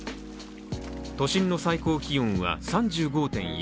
都心の最高気温は３５．１度。